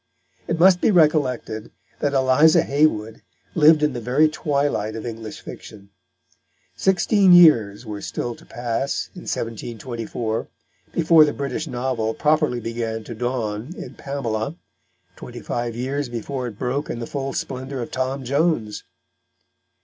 It must be recollected that Eliza Haywood lived in the very twilight of English fiction. Sixteen years were still to pass, in 1724, before the British novel properly began to dawn in Pamela, twenty five years before it broke in the full splendour of Tom Jones.